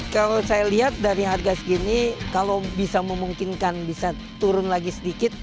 kalau saya lihat dari harga segini kalau bisa memungkinkan bisa turun lagi sedikit